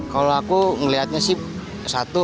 kalau aku ngeliatnya sih satu